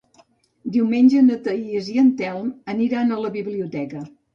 Diumenge na Thaís i en Telm aniran a la biblioteca.